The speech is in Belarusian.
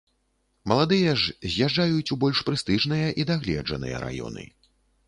Маладыя ж з'язджаюць у больш прэстыжныя і дагледжаныя раёны.